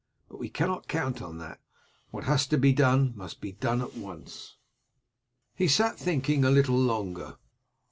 But we cannot count on that, what has to be done must be done at once." He sat thinking a little longer.